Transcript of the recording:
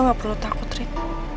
lo gak perlu takut rit